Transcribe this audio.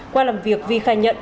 qua làm việc vi khai nhận